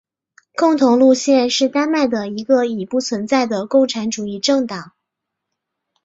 共同路线是丹麦的一个已不存在的共产主义政党。